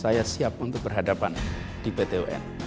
saya siap untuk berhadapan di pt un